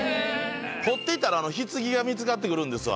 掘っていったら棺が見つかってくるんですわ